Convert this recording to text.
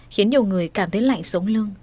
khiến nhiều người cảm thấy lạnh sống lưng